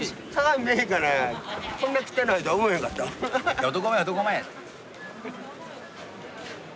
・いや男前男前。